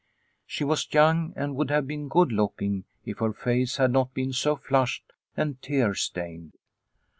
She was young, and would have been good looking if her face had not been so flushed and tear stained.